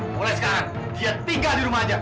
mulai sekarang dia tinggal di rumah aja